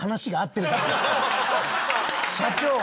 社長！